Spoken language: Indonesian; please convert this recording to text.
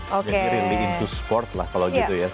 jadi lebih into sport lah kalau gitu ya